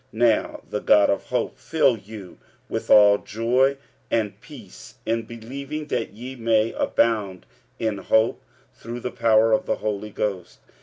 45:015:013 Now the God of hope fill you with all joy and peace in believing, that ye may abound in hope, through the power of the Holy Ghost.